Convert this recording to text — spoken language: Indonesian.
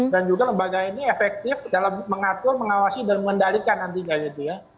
dan juga lembaga ini efektif dalam mengatur mengawasi dan mengendalikan antiga gitu ya